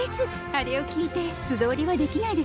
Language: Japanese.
あれを聞いて素通りはできないでしょ。